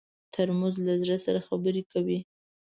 ترموز له زړه سره خبرې کوي.